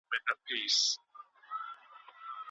په کوم دلیل د بریا لوږه انسان هره ورځ نوي کار ته هڅوي؟